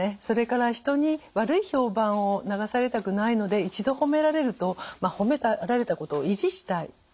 それから人に悪い評判を流されたくないので一度褒められると褒められたことを維持したい。